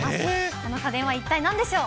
この家電は一体なんでしょう。